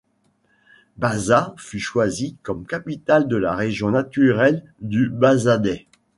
Bazas fut choisie comme capitale de la région naturelle du Bazadais.